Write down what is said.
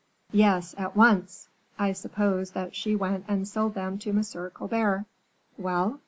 "Yes; at once. I suppose that she went and sold them to M. Colbert." "Well?"